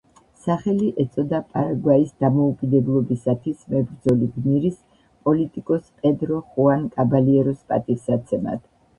სახელი ეწოდა პარაგვაის დამოუკიდებლობისათვის მებრძოლი გმირის, პოლიტიკოს პედრო ხუან კაბალიეროს პატივსაცემად.